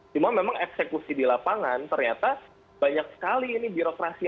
cuma memang eksekusi di lapangan ternyata banyak sekali ini birokrasi